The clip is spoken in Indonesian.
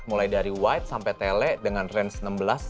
mulai dari wide sampai tele dengan range enam belas sampai seratus nits